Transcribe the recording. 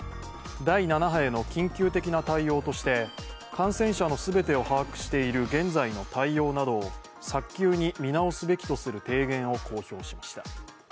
第７波への緊急的な対応として感染者の全てを把握している現在の対応などを早急に見直すべきとする提言を公表しました。